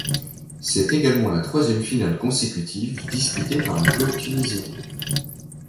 C'est également la troisième finale consécutive disputée par un club tunisien.